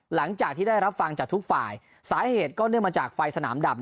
หลังจากที่ได้รับฟังจากทุกฝ่ายสาเหตุก็เนื่องมาจากไฟสนามดับ